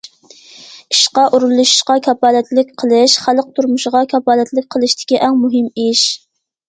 ئىشقا ئورۇنلىشىشقا كاپالەتلىك قىلىش، خەلق تۇرمۇشىغا كاپالەتلىك قىلىشتىكى ئەڭ مۇھىم ئىش.